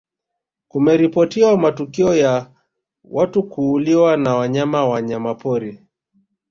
kumeripotiwa matukio ya watu kuuliwa na wanyama wanyamapori